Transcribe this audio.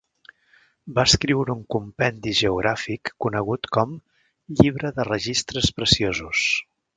Va escriure un compendi geogràfic conegut com "Llibre de registres preciosos".